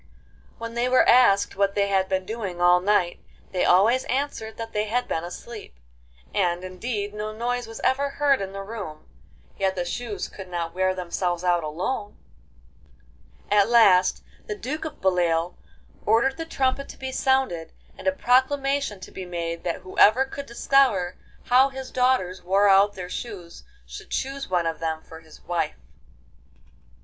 When they were asked what they had been doing all night, they always answered that they had been asleep; and, indeed, no noise was ever heard in the room, yet the shoes could not wear themselves out alone! At last the Duke of Beloeil ordered the trumpet to be sounded, and a proclamation to be made that whoever could discover how his daughters wore out their shoes should choose one of them for his wife.